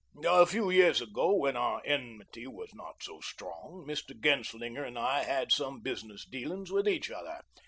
A few years ago, when our enmity was not so strong, Mr. Genslinger and I had some business dealings with each other.